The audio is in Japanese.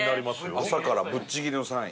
朝からぶっちぎりの３位。